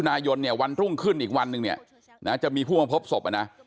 นายนเนี่ยวันรุ่งขึ้นอีกวันหนึ่งเนี่ยนะจะมีผู้มาพบศพอ่ะนะ